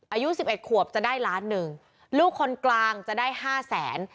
อายุสิบเอ็ดขวบจะได้ล้านหนึ่งลูกคนกลางจะได้ห้าแสน